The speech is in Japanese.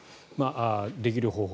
できる方法。